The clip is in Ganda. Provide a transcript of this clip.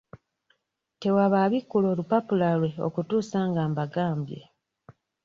Tewaba abikkula olupapula lwe okutuusa nga mbagambye.